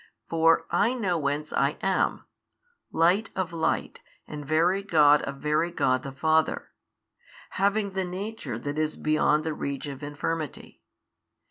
For I know whence I am, Light of Light and Very God of Very God the Father, having the Nature that is beyond the reach of infirmity.